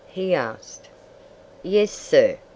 he asked. "Yes, sir!"